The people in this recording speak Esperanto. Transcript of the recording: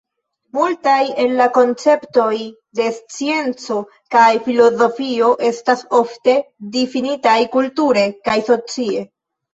Multaj el la konceptoj de scienco kaj filozofio estas ofte difinitaj kulture kaj socie.